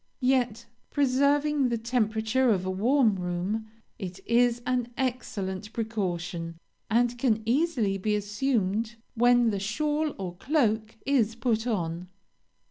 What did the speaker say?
Yet, preserving the temperature of a warm room, it is an excellent precaution, and can easily be assumed when the shawl or cloak is put on.